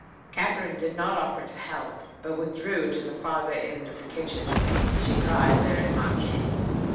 Katherine did not offer to help, but withdrew to the farther end of the kitchen. She cried very much.